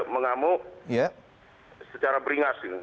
mengamuk secara beringas